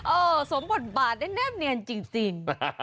สมบทบาทได้แนบเนียนจริง